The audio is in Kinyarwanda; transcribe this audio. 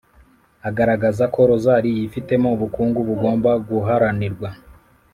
agaragaza ko rozali yifitemo ubukungu bugomba guharanirwa :